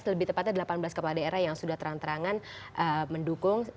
lebih tepatnya delapan belas kepala daerah yang sudah terang terangan mendukung